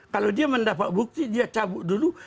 kalau dia mendapat bukti dia cabut dulu